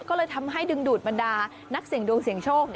ก็เลยทำให้ดึงดูดบรรดานักเสี่ยงดวงเสี่ยงโชค